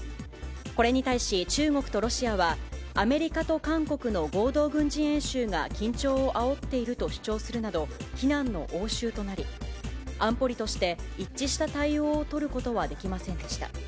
これに対し、中国とロシアは、アメリカと韓国の合同軍事演習が緊張をあおっていると主張するなど、非難の応酬となり、安保理として一致した対応を取ることはできませんでした。